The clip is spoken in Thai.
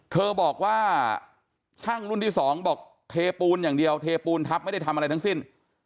เธอบอกว่าช่างรุ่นที่สองบอกเทปูนอย่างเดียวเทปูนทับไม่ได้ทำอะไรทั้งสิ้น